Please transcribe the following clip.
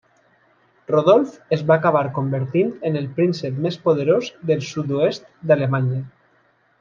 Rodolf es va acabar convertint en el príncep més poderós del sud-oest d'Alemanya.